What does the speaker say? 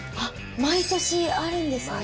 毎年あるんですね。